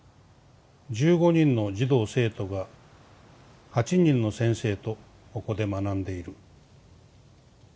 １５人の児童生徒が８人の先生とここで学んでいる」。